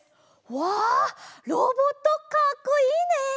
わあっロボットかっこいいね！